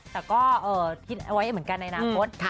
แต่ก็คิดเอาไว้เหมือนกันในอนาคต